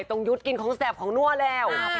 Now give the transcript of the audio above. ต้องยุดกลิ่นของแสบของนั่วแล้ว